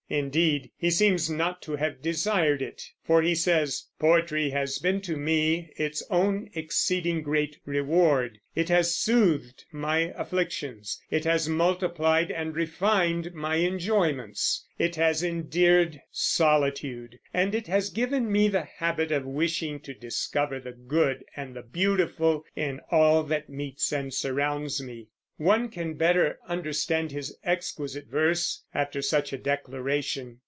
Indeed, he seems not to have desired it; for he says: "Poetry has been to me its own exceeding great reward; it has soothed my afflictions; it has multiplied and refined my enjoyments; it has endeared solitude, and it has given me the habit of wishing to discover the good and the beautiful in all that meets and surrounds me." One can better understand his exquisite verse after such a declaration.